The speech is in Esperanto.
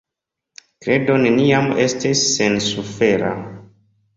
Kredo neniam estis sensufera.